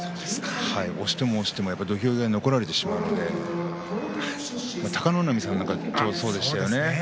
押しても押しても土俵に残られてしまうので貴ノ浪さんはそうでしたね。